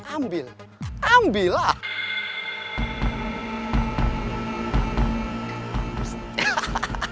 ambil ambil lah